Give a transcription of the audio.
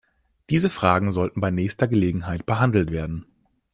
Diese Fragen sollten bei nächster Gelegenheit behandelt werden.